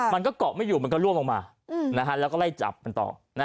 มันก็เกาะไม่อยู่มันก็ล่วงลงมาแล้วก็ไล่จับมันต่อ